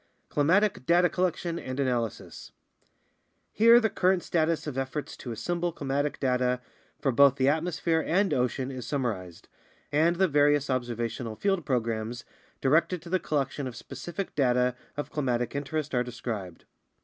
CLIMATIC DATA COLLECTION AND ANALYSIS Here the current status of efforts to assemble climatic data for both the atmosphere and ocean is summarized, and the various observational field programs directed to the collection of specific data of climatic interest are described.